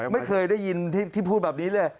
ไม่เคยได้ยินที่พูดแบบนี้เลย